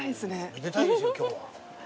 めでたいですよ今日は。